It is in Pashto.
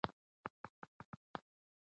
دا مهارتونه په ټولنیز تنظیم کې مرسته کوي.